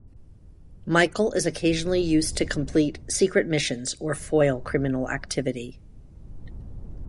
Michael is occasionally used to complete secret missions or foil criminal activity.